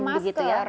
mau pakai masker